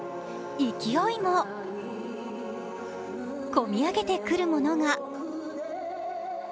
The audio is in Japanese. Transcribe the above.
勢もこみ上げてくるものが。